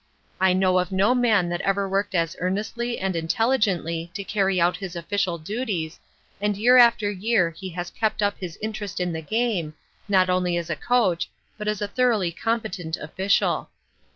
I know of no man that ever worked as earnestly and intelligently to carry out his official duties, and year after year he has kept up his interest in the game, not only as a coach, but as a thoroughly competent official.